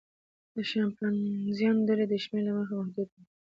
د شامپانزیانو ډلې د شمېر له مخې محدودې وي.